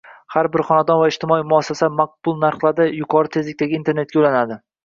Har bir xonadon va ijtimoiy muassasa maqbul narxlarda yuqori tezlikdagi Internetga ulanadi